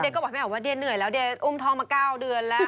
เด็กก็บอกแม่ว่าเดี๋ยวเหนื่อยแล้วเดี๋ยวอุ้มทองมา๙เดือนแล้ว